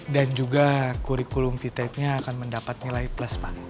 dan juga kurikulum vted nya akan mendapat nilai plus pak